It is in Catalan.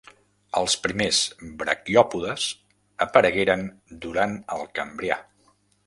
Els primers braquiòpodes aparegueren durant el cambrià.